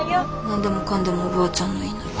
何でもかんでもおばあちゃんの言いなり。